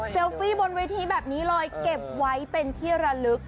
ฟี่บนเวทีแบบนี้เลยเก็บไว้เป็นที่ระลึก